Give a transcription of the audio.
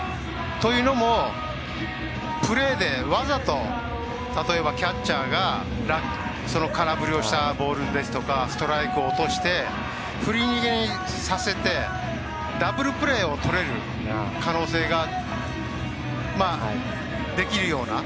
というのもプレーで、わざと例えばキャッチャーが空振りをしたボールですとかストライクを落として振り逃げさせてダブルプレーをとれる可能性できるような。